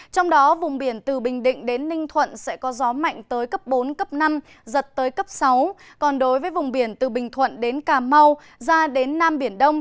trong đó vùng biển từ bình định đến ninh thuận sẽ có gió mạnh tới cấp bốn cấp năm giật tới cấp sáu còn đối với vùng biển từ bình thuận đến cà mau ra đến nam biển đông